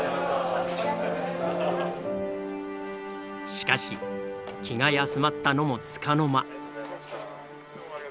しかし気が休まったのもつかの間。